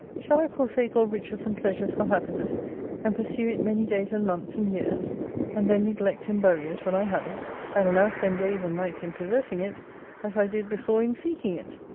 Shall I forsake all riches and pleasures for happiness, and pursue it many days and months and years, and then neglect and bury it when I have it ? I will now spend days and nights in possessing it, as I did before in seeking it.